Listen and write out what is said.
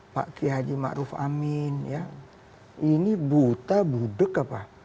pak kihaji ma'ruf amin ini buta budeg apa